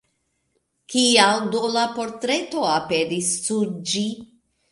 Kial do la portreto aperis sur ĝi?